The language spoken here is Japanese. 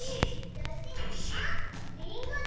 あっりんごだ！